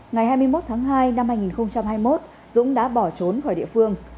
ngày hai mươi một tháng hai năm hai nghìn hai mươi một dũng đã bỏ trốn khỏi địa phương